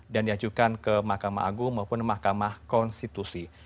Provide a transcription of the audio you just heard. dan diajukan ke mahkamah agung maupun mahkamah konstitusi